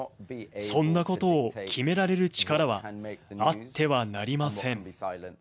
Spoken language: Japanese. そんなことを決められる力はあってはなりません。